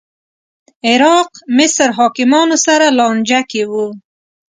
عراق مصر حاکمانو سره لانجه کې و